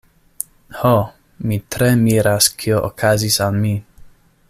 Ho, mi tre miras kio okazis al mi.